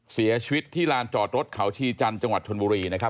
เสียชีวิตที่ลานจอดรถเขาชีจันทร์จังหวัดชนบุรีนะครับ